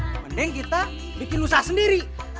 mending kita bikin lusa sendiri